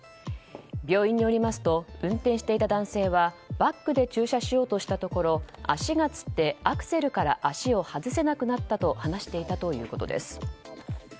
病院によりますと運転していた男性はバックで駐車しようとしたところ足がつってアクセルから足を外せなくなったと話しているということです。